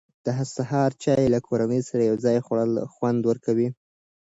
د سهار چای له کورنۍ سره یو ځای خوړل خوند ورکوي.